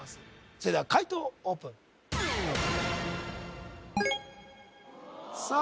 それでは解答オープンさあ